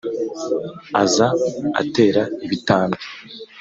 Aza atera ibitambwe